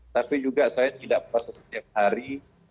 tapi juga saya tidak puasa setiap hari